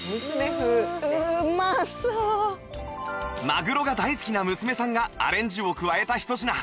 マグロが大好きな娘さんがアレンジを加えたひと品